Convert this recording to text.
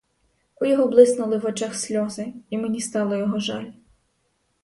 У його блиснули в очах сльози, і мені стало його жаль.